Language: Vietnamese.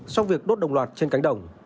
trong việc đốt đồng loạt trên cánh đồng